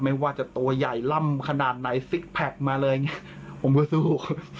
ไม่ว่าจะตัวใหญ่ล่ำขนาดไหนซิกแพคมาเลยผมก็สู้